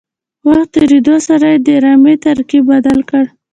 وخت تېرېدو سره یې د رمې ترکیب بدل کړ.